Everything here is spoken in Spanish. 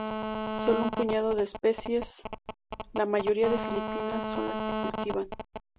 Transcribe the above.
Sólo un puñado de especies, la mayoría de Filipinas, son las que se cultivan.